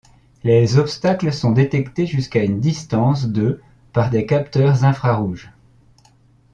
Les obstacles sont détectés jusqu'à une distance de par des capteurs infrarouge.